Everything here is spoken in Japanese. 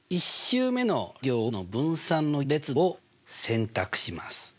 １週目の行の分散の列を選択します。